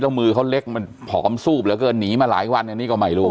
แล้วมือเขาเล็กมันผอมซูบเหลือเกินหนีมาหลายวันอันนี้ก็ไม่รู้